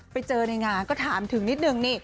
ไปเจอในงานก็ถามถึงนิดนึงนี่